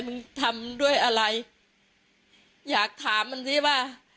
มึงทำด้วยอะไรอยากถามมันสิว่า